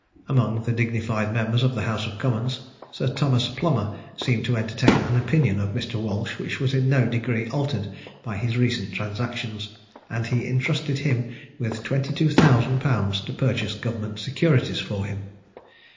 Among the dignified members of the House of Commons, Sir Thomas Plomer seemed to entertain an opinion of Mr. Walsh which was in no degree altered by his recent transactions, and he intrusted him with £22,000 to purchase government securities for him.